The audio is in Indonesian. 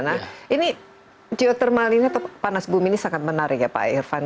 nah ini geotermal ini atau panas bumi ini sangat menarik ya pak irfan